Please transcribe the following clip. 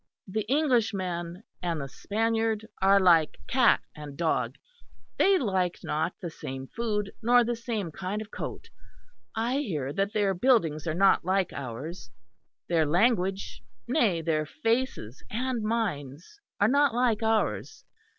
The Englishman and the Spaniard are like cat and dog; they like not the same food nor the same kind of coat; I hear that their buildings are not like ours; their language, nay, their faces and minds, are not like ours.